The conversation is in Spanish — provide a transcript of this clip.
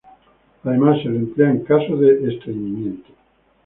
Además, se le emplea en casos de estreñimiento.